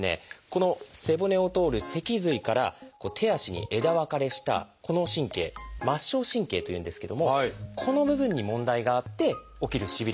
この背骨を通る脊髄から手足に枝分かれしたこの神経「末梢神経」というんですけどもこの部分に問題があって起きるしびれ。